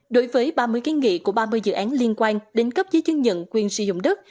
đối với ba mươi kiến nghị của ba mươi dự án liên quan đến cấp giấy chứng nhận quyền sử dụng đất